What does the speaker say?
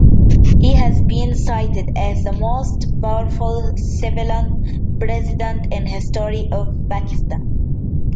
He has been cited as the most powerful civilian president in history of Pakistan.